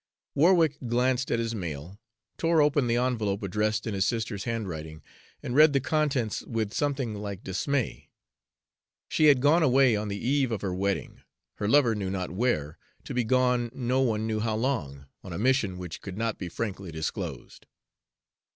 Warwick glanced at his mail, tore open the envelope addressed in his sister's handwriting, and read the contents with something like dismay. She had gone away on the eve of her wedding, her lover knew not where, to be gone no one knew how long, on a mission which could not be frankly disclosed.